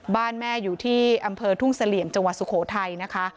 บ้านแม่อยู่ที่อำเภอทุ่งเสลี่ยมจังหวัดสุโขทัยนะคะ